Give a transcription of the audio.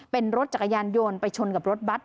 เป็นรถจักรยานยนต์ไปชนกับรถบัตร